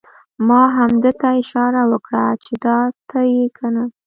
ما همده ته اشاره وکړه چې دا ته یې کنه؟!